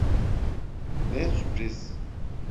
Ne sürpriz!